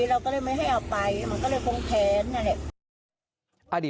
เราก็เลยไม่ให้เอาไปมันก็เลยคงแค้นนั่นแหละ